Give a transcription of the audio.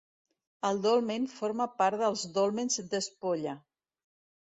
El dolmen Forma part dels Dòlmens d'Espolla.